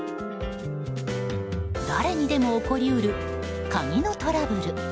誰にでも起こり得る鍵のトラブル。